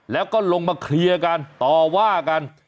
แล้วก็ลงมาเคลียร์กันต่อว่ากัน